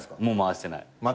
もう回してない。